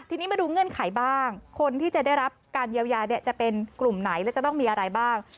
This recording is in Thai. ทีนี้มาดูเงื่อนไขบ้างคนที่จะได้รับการเยียวยาเนี่ยจะเป็นกลุ่มไหนและจะต้องมีอะไรบ้าง